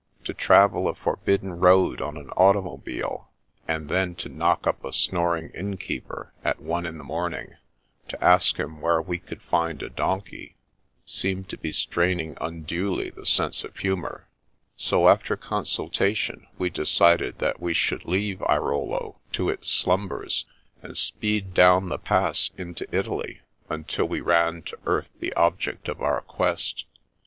To travel a forbidden road on an automobile, and then to knock up a snoring innkeeper at one in the morning, to ask him where we could find a donkey, seemed to be straining unduly the sense of humour ; so after oMisultation we decided that we should leave The Wings of the Wind 67 Airolo to its slumbers and speed down the Pass into Italy until we ran to earth the object of our quest.